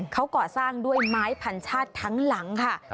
เขาก่อสร้างด้วยไม้พันชาติทั้งหลังค่ะ